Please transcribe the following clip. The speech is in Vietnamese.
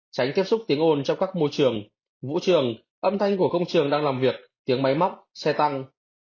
tránh tiếp xúc tiếng ồn trong các môi trường vũ trường âm thanh của công trường đang làm việc tiếng máy móc xe tăng